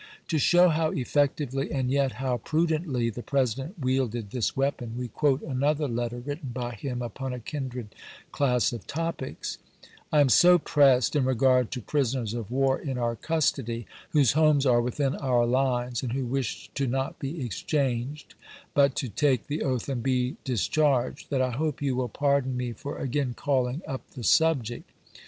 To show how effectively and 144 ABRAHAM LINCOLN ciiAr.viii. vet liow prudently the President wielded this weapon, we quote another letter written by him upon a kindred class of topics :" I am so pressed in regard to prisoners of war in our custody, whose homes are within our lines and who wish to not be exchanged, but to take the oath and be discharged, that I hope you will pardon me for again calling up the subject.